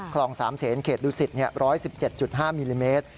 คลองสามเสนเขตดูสิทธิ์๑๑๗๕มิลลิเมตร